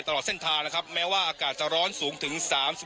ตลอดเส้นทางนะครับแม้ว่าอากาศจะร้อนสูงถึง๓๐